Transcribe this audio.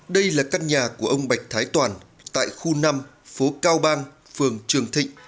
đây là căn nhà của ông bạch thái toàn tại khu năm phố cao bang phường trường thịnh